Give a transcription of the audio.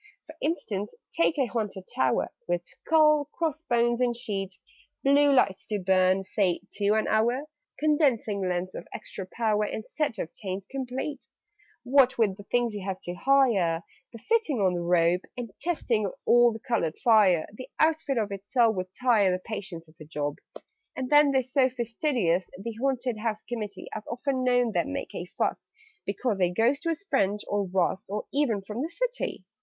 "For instance, take a Haunted Tower, With skull, cross bones, and sheet; Blue lights to burn (say) two an hour, Condensing lens of extra power, And set of chains complete: "What with the things you have to hire The fitting on the robe And testing all the coloured fire The outfit of itself would tire The patience of a Job! "And then they're so fastidious, The Haunted House Committee: I've often known them make a fuss Because a Ghost was French, or Russ, Or even from the City!